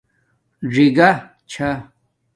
ژِی گہ چھا